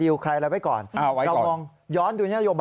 ไว้ก่อน